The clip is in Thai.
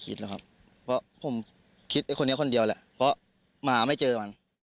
ไม่ได้คิดหรอกครับเพราะผมคิดไอ้คนนี้คนเดียวแหละเพราะมาหาไม่เจอมัน